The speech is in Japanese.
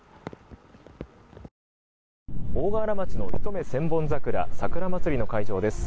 大河原町の千本桜桜祭りの会場です。